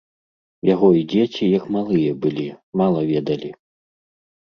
Яго й дзеці, як малыя былі, мала ведалі.